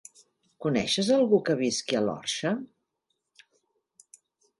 Coneixes algú que visqui a l'Orxa?